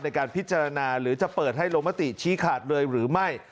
ในการพิจารณาหรือจะเปิดให้ลงมติชี้ขาดเลยหรือไม่